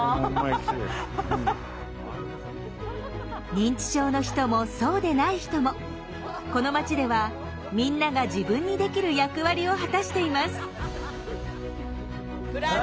認知症の人もそうでない人もこの町ではみんなが自分にできる役割を果たしています。